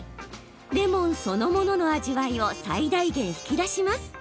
レモンそのものの味わいを最大限引き出します。